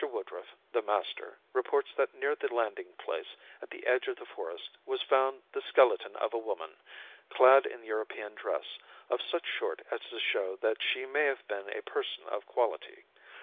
Woodruff, the master, reports that near the landing place at the edge of the forest was found the skeleton of a woman, clad in European dress, of such sort as to show that she may have been a person of quality.